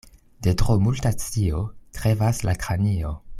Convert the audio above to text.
De tro multa scio krevas la kranio.